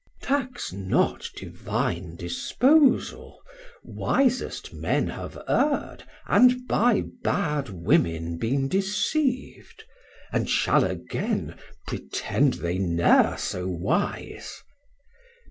Chor: Tax not divine disposal, wisest Men 210 Have err'd, and by bad Women been deceiv'd; And shall again, pretend they ne're so wise.